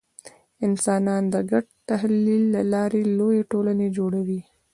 انسانان د ګډ تخیل له لارې لویې ټولنې جوړوي.